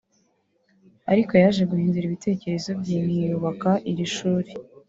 ariko yaje guhindura ibitekerezo bye ntiyubaka iri shuri